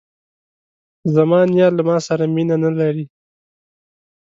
زما نیا له ماسره مینه نه لري.